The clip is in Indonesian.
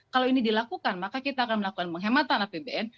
kalau ini dilakukan maka kita akan melakukan penghematan apbn